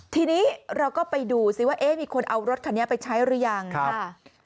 ทีนี้เราก็ไปดูสิว่าเอ๊ะมีคนเอารถคันนี้ไปใช้หรือยังค่ะ